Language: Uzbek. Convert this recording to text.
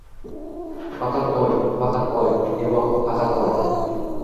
Faqat oy, faqat oy, evoh, faqat oy